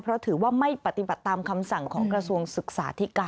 เพราะถือว่าไม่ปฏิบัติตามคำสั่งของกระทรวงศึกษาธิการ